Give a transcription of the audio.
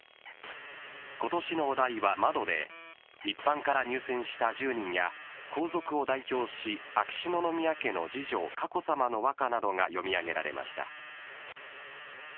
ことしのお題は窓で、一般から入選した１０人や、皇族を代表し、秋篠宮家の次女、佳子さまの和歌などが読み上げられました。